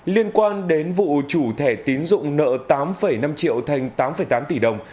liên quan đến vụ chủ thẻ tín dụng nợ tám năm triệu thành tám tám tỷ đồng